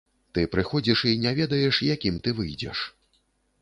Ты прыходзіш і не ведаеш, якім ты выйдзеш.